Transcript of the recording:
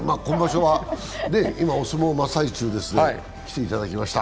今、お相撲真っ最中ですが、来ていただきました。